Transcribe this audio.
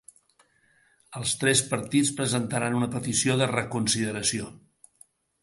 Els tres partits presentaran una petició de reconsideració.